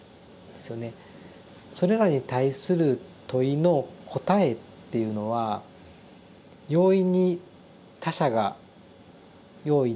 それらに対する問いの答えっていうのは容易に他者が用意できるものではない。